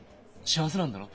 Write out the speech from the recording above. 幸せなんだろ？